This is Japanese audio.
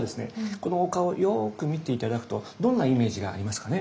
このお顔よく見て頂くとどんなイメージがありますかね？